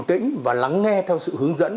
bình tĩnh và lắng nghe theo sự hướng dẫn